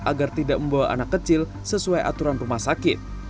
agar tidak membawa anak kecil sesuai aturan rumah sakit